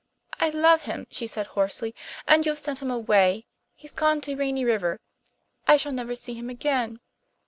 "I love him," she said hoarsely, "and you've sent him away. He's gone to Rainy River. I shall never see him again!"